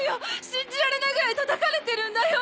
信じられないぐらいたたかれてるんだよ！